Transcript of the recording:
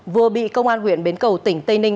vừa bị công an huyện bến cầu tỉnh tây ninh